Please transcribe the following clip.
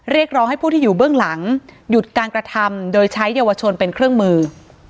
เรียกร้องให้ผู้ที่อยู่เบื้องหลังหยุดการกระทำโดยใช้เยาวชนเป็นเครื่องมือ